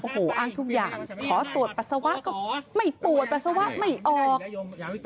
โอ้โหอ้างทุกอย่างขอตรวจปัสสาวะก็ไม่ปวดปัสสาวะไม่ออก